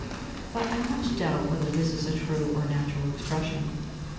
But I much doubt whether this is a true or natural expression.